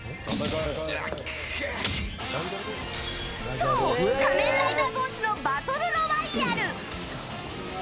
そう、仮面ライダー同士のバトルロワイヤル。